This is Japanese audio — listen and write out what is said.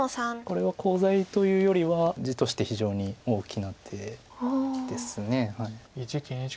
これはコウ材というよりは地として非常に大きな手です。